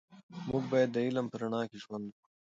موږ باید د علم په رڼا کې ژوند وکړو.